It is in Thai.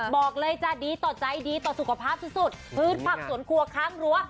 บอกเลยจะดีต่อใจดีต่อสุขภาพสุดพืชผักสวนครัวข้างรั้ว